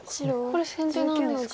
これ先手なんですか。